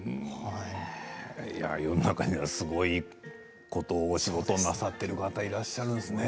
世の中にはすごいことお仕事をなさってる方がいらっしゃるんですね。